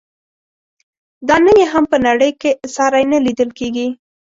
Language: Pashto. دا نن یې هم په نړۍ کې ساری نه لیدل کیږي.